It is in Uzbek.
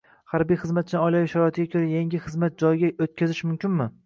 harbiy xizmatchini oilaviy sharoitiga ko‘ra yangi xizmat joyiga o‘tkazish mumkinmi?